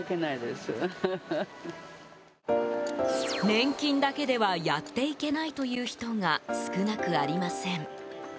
年金だけではやっていけないという人が少なくありません。